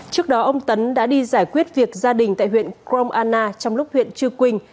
trước đó ông tấn đã đi giải quyết việc gia đình tại huyện krong anna trong lúc huyện chư quỳnh